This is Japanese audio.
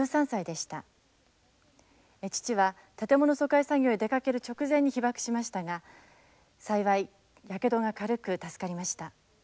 父は建物疎開作業へ出かける直前に被爆しましたが幸いやけどが軽く助かりました。